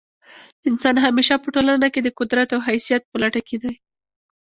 انسان همېشه په ټولنه کښي د قدرت او حیثیت په لټه کښي دئ.